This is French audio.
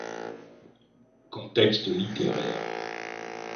Contexte littéraire.